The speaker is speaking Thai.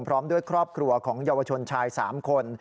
พร้อมด้วยครอบครัวของเยาวชนชาย๓คน